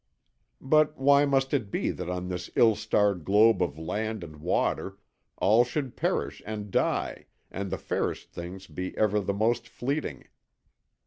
"But why must it be that on this ill starred globe of land and water, all should perish and die and the fairest things be ever the most fleeting?